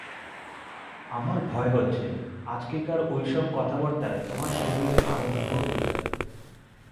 আমার ভয় হচ্ছে আজকেকার এই-সব কথাবার্তায় তোমার শরীর আরো দুর্বল হয়ে যাবে।